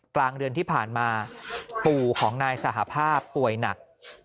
กลางเดือนที่ผ่านมาปู่ของนายสหภาพป่วยหนัก